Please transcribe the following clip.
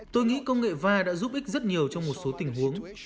tôi nghĩ công nghệ va đã giúp ích rất nhiều trong một số tình huống